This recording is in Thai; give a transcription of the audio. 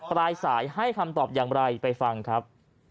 ปลายสายให้คำตอบอย่างไรไปฟังครับ